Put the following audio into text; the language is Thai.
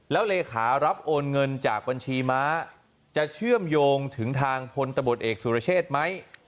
แล้วเลขารับโอนเงินจากบัญชีม้าจะเชื่อมโยงถึงทางพลตะบดเอกสุรเชษไหม